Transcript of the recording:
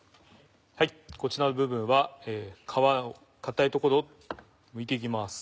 こちらの部分は皮の硬い所むいていきます。